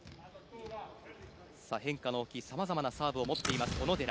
変化の大きい様々なサーブを持っています小野寺。